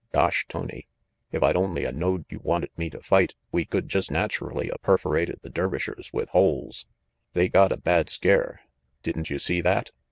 Gosh, Tony, if I'd only a knowed you wanted me to fight we could just naturally a perforated the Dervishers with holes. They got a bad scare. Didn't you see that?